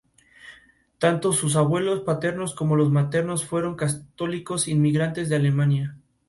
Cada oportunidad requería adaptaciones al proyecto original.